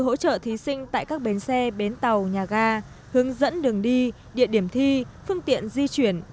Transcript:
hỗ trợ thí sinh tại các bến xe bến tàu nhà ga hướng dẫn đường đi địa điểm thi phương tiện di chuyển